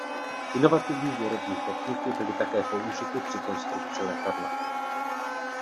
Inovativní výrobní techniky byly také použity při konstrukci letadla.